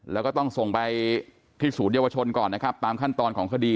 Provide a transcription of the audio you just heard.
แล้วก็ต้องส่งไปที่ศูนยวชนก่อนนะครับตามขั้นตอนของคดี